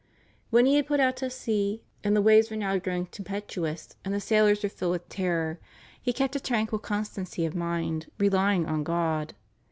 When he had put out to sea, and the waves were now growing tempestuous, and the sailors were filled with terror, he kept a tranquil constancy of mind, relying on God.